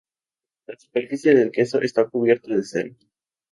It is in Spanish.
La superficie del queso está cubierta de cera.